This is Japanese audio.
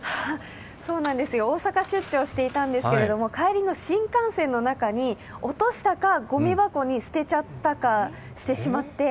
そうなんですよ、大阪出張していたんですけど、帰りの新幹線の中に落としたか、ごみ箱に捨てちゃったかして、